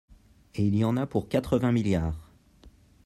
Et il y en a pour quatre-vingts milliards